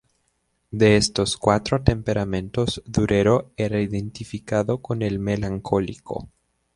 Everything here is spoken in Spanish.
De estos cuatro temperamentos, Durero era identificado con el melancólico.